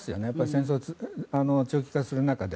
戦争、長期化する中で。